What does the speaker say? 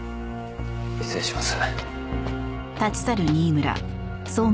失礼します。